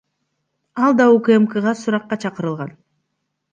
Ал да УКМКга суракка чакырылган.